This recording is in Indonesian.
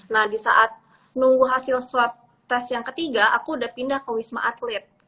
nah di saat nunggu hasil swab test yang ketiga aku udah pindah ke wisma atlet